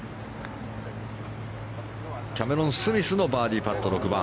キャメロン・スミスのバーディーパット、６番。